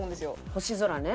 「星空」ね！